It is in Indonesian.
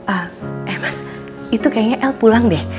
eh mas itu kayaknya l pulang deh